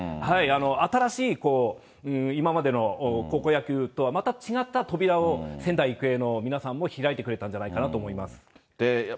新しい今までの高校野球とはまた違った扉を、仙台育英の皆さんも開いてくれたんじゃないかなと思います。